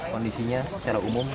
kondisinya secara umum